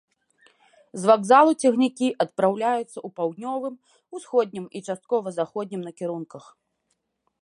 З вакзалу цягнікі адпраўляюцца ў паўднёвым, усходнім і часткова заходнім накірунках.